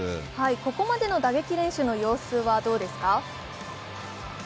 ここまでの打撃練習の様子はどうですか？